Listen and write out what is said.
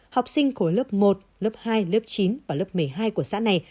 học sinh khối lớp một lớp hai lớp chín và lớp một mươi hai của xã này